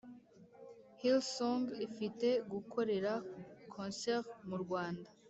hillsong ifite gukorera concert mu rwanda